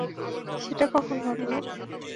সেটা কখন ঘটল?